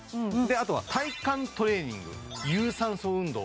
あとは体幹トレーニング有酸素運動